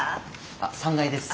あっ３階です。